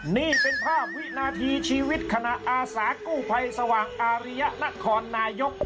นี่เป็นภาพวินาทีชีวิตคณะอาสากู้ภัยสว่างอาริยะนครนายก